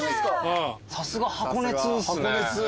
さすが箱根通っすね。